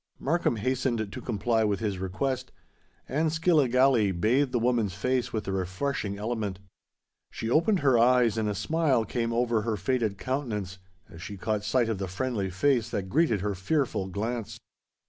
Markham hastened to comply with this request; and Skilligalee bathed the woman's face with the refreshing element. She opened her eyes, and a smile came over her faded countenance as she caught sight of the friendly face that greeted her fearful glance.